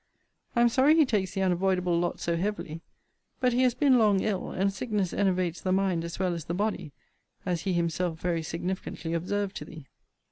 I am sorry he takes the unavoidable lot so heavily. But he has been long ill; and sickness enervates the mind as well as the body; as he himself very significantly observed to thee.